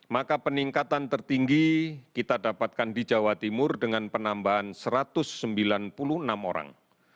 maka peningkatan tertinggi kita dapatkan di jawa timur dengan penambahan satu ratus sembilan puluh enam orang